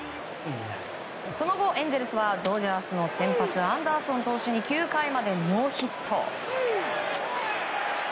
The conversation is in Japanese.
その後、エンゼルスはドジャースの先発アンダーソン投手に９回までノーヒット。